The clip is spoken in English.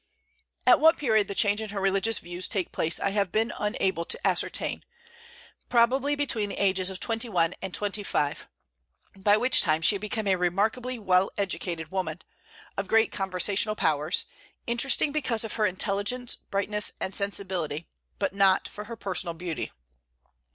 At what period the change in her religious views took place I have been unable to ascertain, probably between the ages of twenty one and twenty five, by which time she had become a remarkably well educated woman, of great conversational powers, interesting because of her intelligence, brightness, and sensibility, but not for her personal beauty.